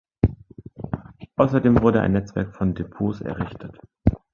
Außerdem wurde ein Netzwerk von Depots errichtet.